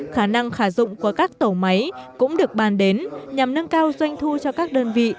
khả năng khả dụng của các tổ máy cũng được ban đến nhằm nâng cao doanh thu cho các đơn vị